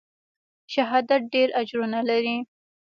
شهادت ډېر اجرونه لري.